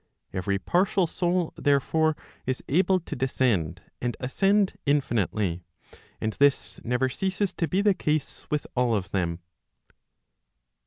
Every partial soul, therefore, is able to descend and ascend infinitely. And this never ceases to be the case with all of them.